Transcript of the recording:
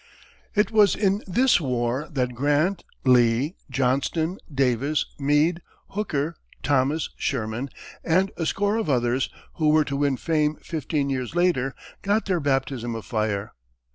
It was in this war that Grant, Lee, Johnston, Davis, Meade, Hooker, Thomas, Sherman, and a score of others who were to win fame fifteen years later, got their baptism of fire.